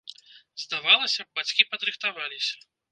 Здавалася б, бацькі падрыхтаваліся.